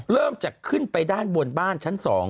เริ่มจะขึ้นไปด้านบนบ้านชั้น๒